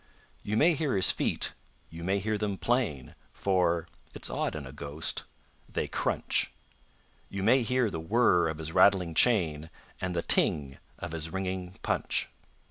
You may hear his feet: you may hear them plain, For it's odd in a ghost they crunch. You may hear the whirr of his rattling chain, And the ting of his ringing punch.